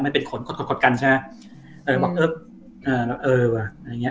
มันเป็นขนขดขดขดกันใช่ไหมเออบอกเออเออว่าอย่างเงี้ย